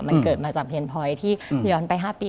มันเกิดมาจากเฮียนพลอยที่ย้อนไป๕ปี